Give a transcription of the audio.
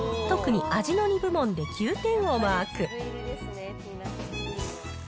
特に味の２部門で９点をマーク。